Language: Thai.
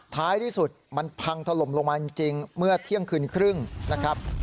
ท้ายที่สุดมันพังถล่มลงมาจริงเมื่อเที่ยงคืนครึ่งนะครับ